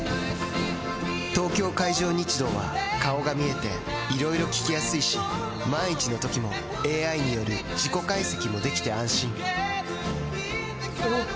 東京海上日動は顔が見えていろいろ聞きやすいし万一のときもＡＩによる事故解析もできて安心おぉ！